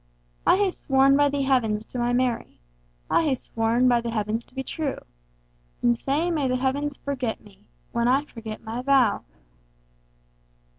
I hae sworn by the Heavens to my Mary,I hae sworn by the Heavens to be true; And sae may the Heavens forget me, When I forget my vow!